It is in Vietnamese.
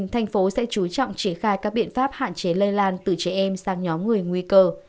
thành phố sẽ chú trọng triển khai các biện pháp hạn chế lây lan từ trẻ em sang nhóm người nguy cơ